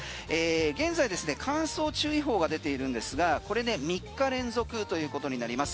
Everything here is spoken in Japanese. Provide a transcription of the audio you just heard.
現在、乾燥注意報が出ているんですがこれ３日連続ということになります。